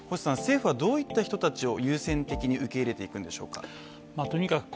政府はどういった人たちを優先的に受け入れていくんでしょうか？